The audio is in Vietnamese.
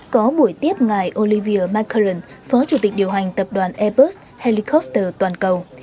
có buổi tiếp ngày olivia mcallen phó chủ tịch điều hành tập đoàn airbus helicopters toàn cầu